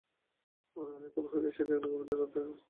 মনে হইল, এখন হইতেই সে যেন গভীর দায়িত্ব বোধ করিতেছে।